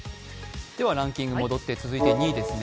ランキングに戻って続いて２位です。